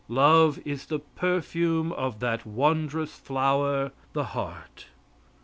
Love is the perfume of that wondrous flower the heart.